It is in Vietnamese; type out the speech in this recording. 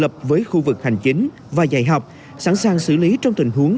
nhà trường đã tập với khu vực hành chính và dạy học sẵn sàng xử lý trong tình huống